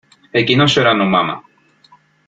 El que no llora no mama.